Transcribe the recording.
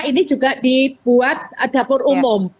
ini juga dibuat dapur umum